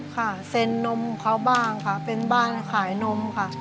ค่ะเซ็นนมเขาบ้างค่ะเป็นบ้านขายนมค่ะ